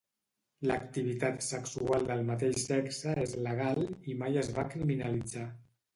L'activitat sexual del mateix sexe és legal i mai es va criminalitzar.